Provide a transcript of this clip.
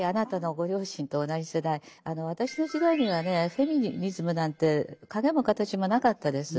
私の時代にはねフェミニズムなんて影も形もなかったです。